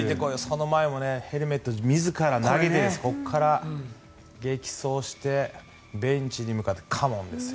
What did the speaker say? その前もヘルメットを自ら投げてここから激走してベンチに向かってカモンですよ。